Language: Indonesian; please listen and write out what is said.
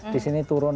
di sini turun